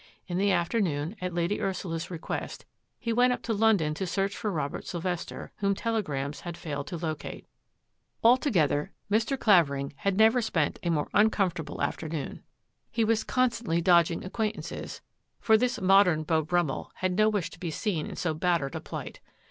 In the afternoon, at Lady Ursula's request, he went up to London to search for Robert Sylvester, whom telegrams had failed to locate. Altogether Mr. Clavering had never spent a more uncomfortable ^ MORE MYSTERY 69 afternoon. He was constantly dodging acquaint ances, for this modem Beau Brummell had no wish to be seen in so battered a plight.